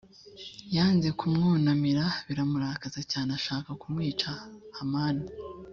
yanze kumwunamira biramurakaza cyane ashaka kumwica hamani